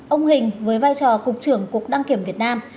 ông hình với vai trò cục trưởng cục đăng kiểm việt nam